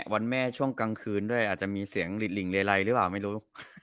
วันแม่ช่วงกลางคืนด้วยอาจจะมีเสียงหลิดหลิ่งเลไลหรือเปล่าไม่รู้